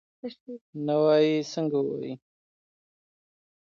په ښځو کې د هګۍ په وده کې مهم دی.